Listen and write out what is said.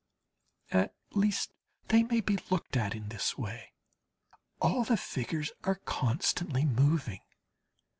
At least they may be looked at in this way. All the figures are constantly moving.